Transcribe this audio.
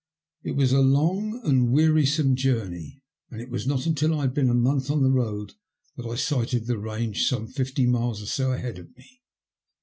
It was a long and wearisome journey, and it was not until I had been a month on the road that I sighted the range some fifty miles or so ahead of me.